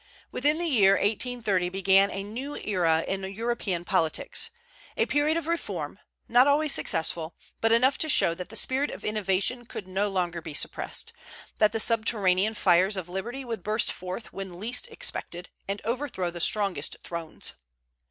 With the year 1830 began a new era in European politics, a period of reform, not always successful, but enough to show that the spirit of innovation could no longer be suppressed; that the subterranean fires of liberty would burst forth when least expected, and overthrow the strongest thrones.